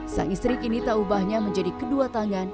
sang istri kini tak ubahnya menjadi kedua tangan